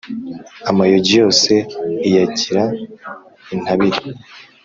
Amayogi yose iyagira intabire,